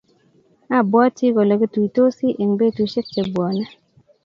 Abwati kole kituitosi eng betusiek che bwone